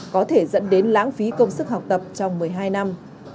có thể dẫn đến lãng phí công sức học tập trong một mươi hai năm